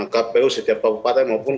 kpu setiap pangkatan maupun